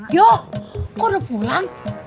yo kok udah pulang